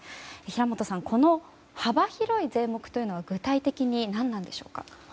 平元さん、この幅広い税目とは具体的に何なんでしょうか。